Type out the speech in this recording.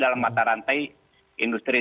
dalam mata rantai industri